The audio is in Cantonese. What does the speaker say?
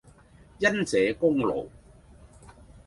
因這功勞，